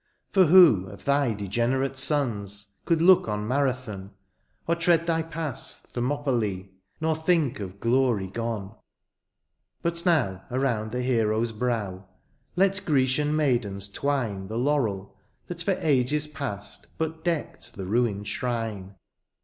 For who, of thy degenerate sons. Could look on Marathon, Or tread thy pass, Thermopylae, Nor think of glory gone. THE GREEK GIRL'S SONG. 187 But now, around the heroes brow. Let Grecian maidens twine The laurel, that for ages past But decked the ruined shrine.